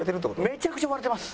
めちゃくちゃ追われてます。